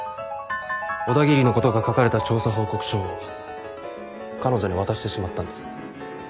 小田切のことが書かれた調査報告書を彼女に渡してしまったんです。